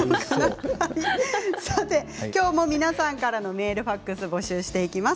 きょうも皆さんからのメール、ファックス募集していきます。